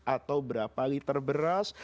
atau berapa liter beras